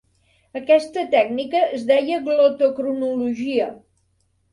Aquesta tècnica es deia glotocronologia.